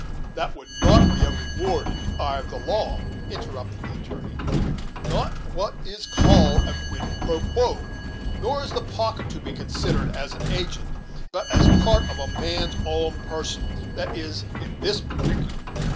"That would not be a reward in the eye of the law," interrupted the attorney "not what is called a 'quid pro quo;' nor is the pocket to be considered as an agent, but as part of a man's own person, that is, in this particular.